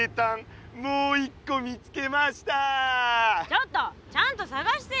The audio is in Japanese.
ちょっとちゃんとさがしてよ！